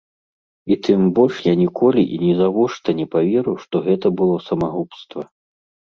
І тым больш я ніколі і нізавошта не паверу, што гэта было самагубства.